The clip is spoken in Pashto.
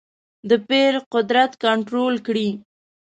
د پیر قدرت کنټرول کړې.